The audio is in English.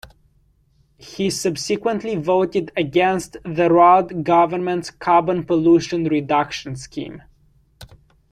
He subsequently voted against the Rudd Government's Carbon Pollution Reduction Scheme.